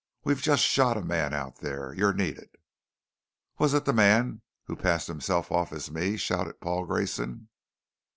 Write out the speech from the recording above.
"We've just shot a man out there. You're needed." "Was it the man who passed himself off as me?" shouted Paul Grayson.